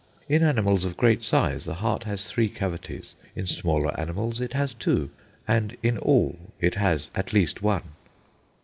In animals of great size the heart has three cavities; in smaller animals it has two; and in all it has at least one."